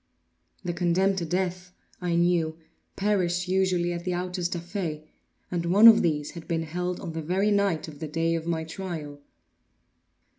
The condemned to death, I knew, perished usually at the autos da fe, and one of these had been held on the very night of the day of my trial.